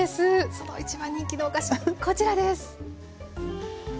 その一番人気のお菓子こちらです。